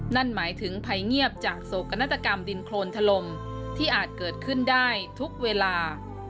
นั่นหมายถึงภัยเงียบจากโศกนาฏกรรมดินโครนถล่มที่อาจเกิดขึ้นได้ทุกเวลา